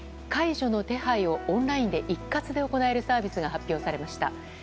介助の手配をオンラインで一括で行えるサービスが発表されました。